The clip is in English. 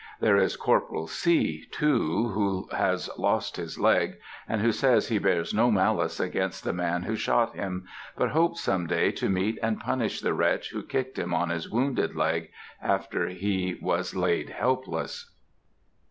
There is Corporal C——, too, who has lost his leg, and who says he bears no malice against the man who shot him, but he hopes some day to meet and punish the wretch who kicked him on his wounded leg, after he was laid helpless.